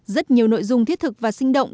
rất nhiều nội dung thiết thực và sinh động